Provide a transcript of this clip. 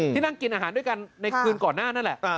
นั่งกินอาหารด้วยกันในคืนก่อนหน้านั่นแหละ